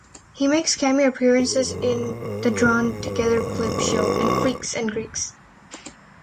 He makes cameo appearances in "The Drawn Together Clip Show" and "Freaks and Greeks".